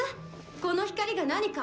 この光が何か。